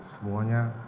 semuanya saya khawatir